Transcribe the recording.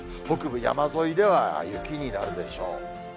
北部山沿いでは雪になるでしょう。